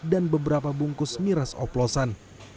dan beberapa bungkus miras oplosan